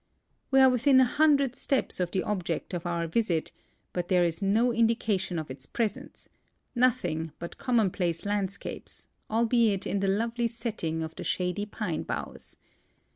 We are within 224 THE FORESTS AND DESERTS OF ARIZONA a hundred steps of the object of our visit, but there is no indica tion of its presence ; nothing but commonplace landscapes, albeit in the lovely setting of the shady pine boughs.